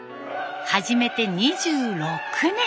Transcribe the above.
始めて２６年。